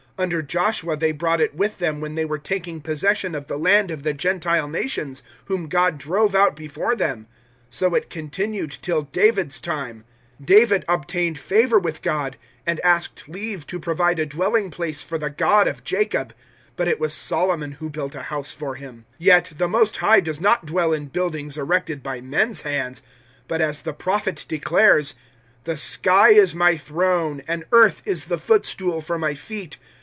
Under Joshua they brought it with them when they were taking possession of the land of the Gentile nations, whom God drove out before them. So it continued till David's time. 007:046 David obtained favour with God, and asked leave to provide a dwelling place for the God of Jacob. 007:047 But it was Solomon who built a house for Him. 007:048 Yet the Most High does not dwell in buildings erected by men's hands. But, as the Prophet declares, 007:049 "`The sky is My throne, and earth is the footstool for My feet.